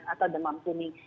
atau demam kuning